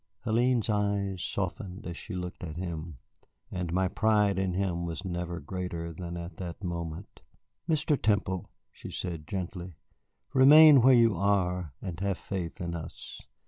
Hélène's eyes softened as she looked at him, and my pride in him was never greater than at that moment. "Mr. Temple," she said gently, "remain where you are and have faith in us.